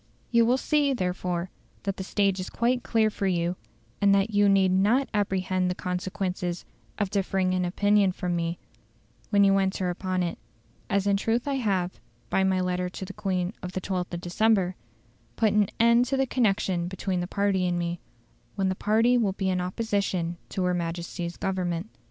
You will see, therefore, that the stage is quite clear for you, and that you need not apprehend the consequences of differing in opinion from me when you will enter upon it; as in truth I have, by my letter to the Queen of the 12th of December, put an end to the connection between the party and me, when the party will be in opposition to her Majesty's Government."